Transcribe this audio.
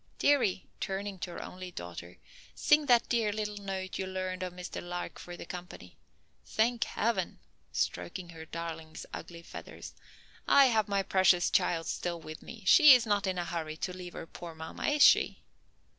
Dearie," turning to her only daughter, "sing that dear little note you learned of Mr. Lark for the company. Thank heaven," stroking her darling's ugly feathers, "I have my precious child still with me. She is not in a hurry to leave her poor mamma, is she?"